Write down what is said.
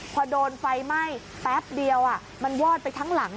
พอโดนไฟไหม้แป๊บเดียวมันวอดไปทั้งหลัง